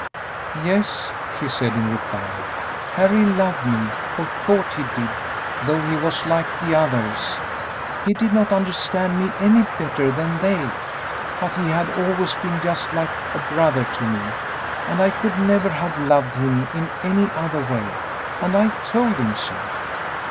"Yes," she said, in reply; "Harry loved me, or thought he did; though he was like the others he did not understand me any better than they. But he had always been just like a brother to me, and I could never have loved him in any other way, and I told him so.